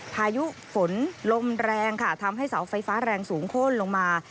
พายุฝนลมแรงค่ะทำให้เสาไฟฟ้าแรงสูงโค้นลงมา